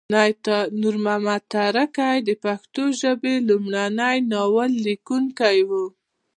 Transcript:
نور محمد ترکی د پښتو ژبې لمړی ناول لیکونکی وه